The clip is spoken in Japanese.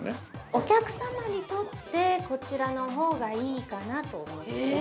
◆お客様にとって、こちらのほうがいいかなと思いました。